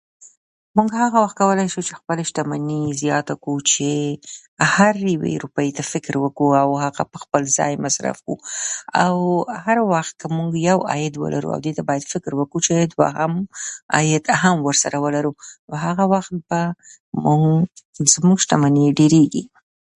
موږ هغه وخت کولای شو چې خپله شتمني زياته کړو چې هرې یوې روپۍ ته فکر وکړو او هغه په خپل ځای مصرف کړو او هر وخت موږ یو عاید ولرو او دېته فکر وکړو چې دوهم عاید هم ورسره ولرو. هغه وخت به زموږ شتمني ډېرېږي.